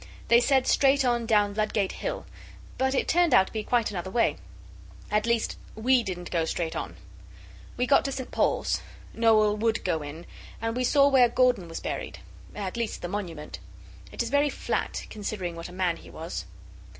They said straight on down Ludgate Hill but it turned out to be quite another way. At least we didn't go straight on. We got to St Paul's. Noel would go in, and we saw where Gordon was buried at least the monument. It is very flat, considering what a man he was.